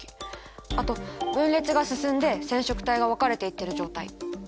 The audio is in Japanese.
あと分裂が進んで染色体が分かれていってる状態。